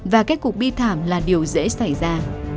và các cuộc bi thảm là điều dễ xảy ra